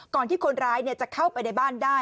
ที่คนร้ายจะเข้าไปในบ้านได้